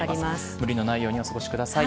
無理のないようにお過ごしください。